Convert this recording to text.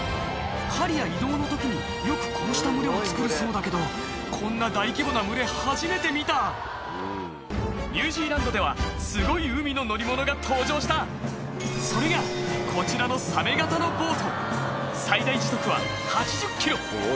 狩りや移動の時によくこうした群れをつくるそうだけどこんな大規模な群れ初めて見たニュージーランドではすごい海の乗り物が登場したそれがこちらの最大時速は８０キロ